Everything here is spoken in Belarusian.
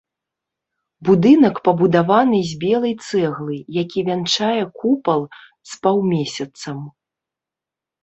Будынак пабудаваны з белай цэглы, які вянчае купал з паўмесяцам.